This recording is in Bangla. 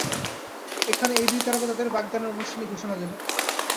এখানে এই দুই তারকা তাঁদের বাগদানের আনুষ্ঠানিক ঘোষণা দেবেন।